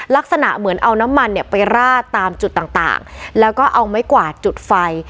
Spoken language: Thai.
ลักษณะเหมือนเอาน้ำมันเนี่ยไปราดตามจุดต่างต่างแล้วก็เอาไม้กวาดจุดไฟ